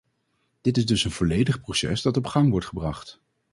Dit is dus een volledig proces dat op gang wordt gebracht.